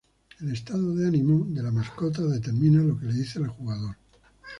El estado de ánimo de la mascota determina lo que le dice al jugador.